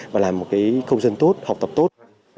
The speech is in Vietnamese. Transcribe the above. và làm một cái công dân tốt học tập tốt